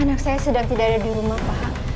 anak saya sedang tidak ada di rumah pak